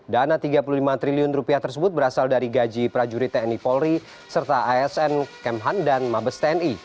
dana tiga puluh lima triliun rupiah tersebut berasal dari gaji prajurit tni polri serta asn kemhan dan mabes tni